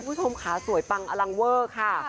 คุณผู้ชมค่ะสวยปังอลังเวอร์ค่ะ